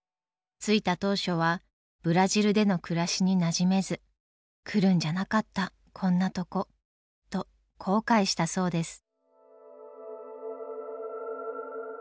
着いた当初はブラジルでの暮らしになじめず「来るんじゃなかったこんなとこ」と後悔したそうです。